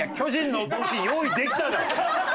「ＹＧ」の帽子用意できただろ。